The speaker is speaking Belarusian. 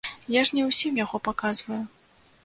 Я ж не ўсім яго паказваю.